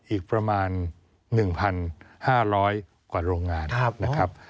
อีกประมาณ๑๕๐๐กว่าโรงงานนะครับ